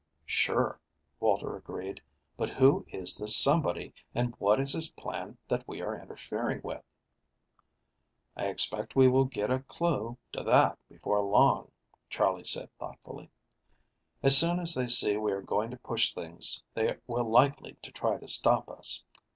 "Sure," Walter agreed, "but who is this somebody, and what is his plan that we are interfering with?" "I expect we will get a clew to that before long," Charley said thoughtfully. "As soon as they see we are going to push things they will likely try to stop us.